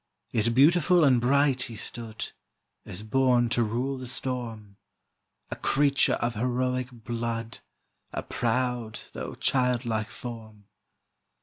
Yet beautiful and bright he stood, As born to rule the storm; A creature of heroic blood, A proud though childlike form.